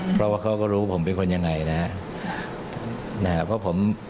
เพราะว่าเขาก็รู้ผมเป็นคนยังไงนะครับเพราะผม